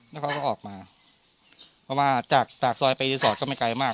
แล้วเขาก็ออกมาเพราะว่าจากปากซอยไปรีสอร์ทก็ไม่ไกลมาก